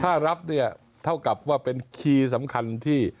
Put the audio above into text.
ถ้ารับเนี่ยเท่ากับว่าเป็นคีย์สำคัญที่